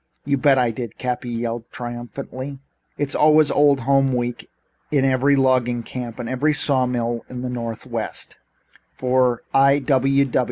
"You bet I did," Cappy yelled triumphantly. "It's always Old Home Week in every logging camp and saw mill in the Northwest for I.